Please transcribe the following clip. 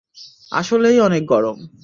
আসলেই অনেক গরম।